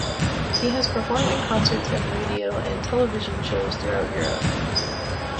He has performed in concerts and radio and television shows throughout Europe.